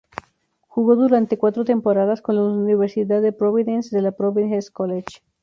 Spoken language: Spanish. Jugó durante cuatro temporadas con los "Universidad de Providence" de la Providence College.